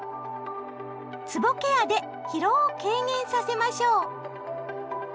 つぼケアで疲労を軽減させましょう！